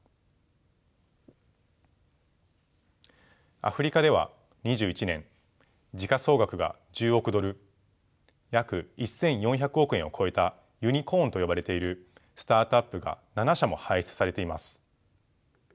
アフリカでは２１年時価総額が１０億ドル約１，４００億円を超えたユニコーンと呼ばれているスタートアップが７社も輩出されています。